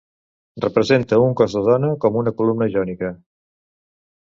Representa un cos de dona com una columna jònica.